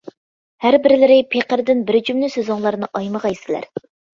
ھەر بىرلىرى پېقىردىن بىر جۈملە سۆزۈڭلارنى ئايىمىغايسىلەر!